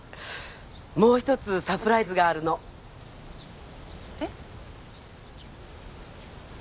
もう１つサプライズがあるのえっ？